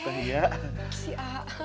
eh si a